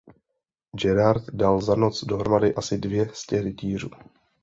Gérard dal za noc dohromady asi dvě stě rytířů.